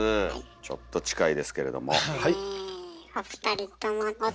ちょっと近いですけれども。ね。